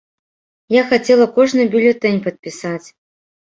Я хацела кожны бюлетэнь падпісаць.